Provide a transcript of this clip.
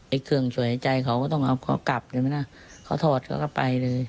เครื่องช่วยหายใจเขาก็ต้องเอาเขากลับใช่ไหมล่ะเขาถอดเขาก็ไปเลย